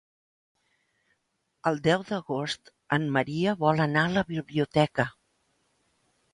El deu d'agost en Maria vol anar a la biblioteca.